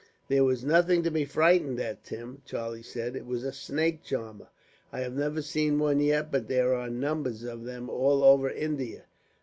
"There was nothing to be frightened at, Tim," Charlie said. "It was a snake charmer. I have never seen one yet, but there are numbers of them all over India.